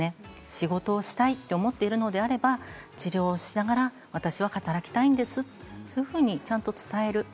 仕事をしたいと思っているのであれば治療をしながら私は働きたいんですとそのように伝えてあげる。